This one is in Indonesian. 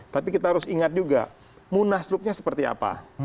tapi kita harus ingat juga munaslupnya seperti apa